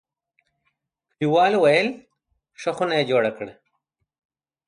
کلیوالو ویل: ښه خونه یې جوړه کړه.